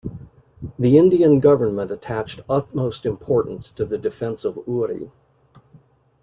The Indian government attached utmost importance to the defence of Uri.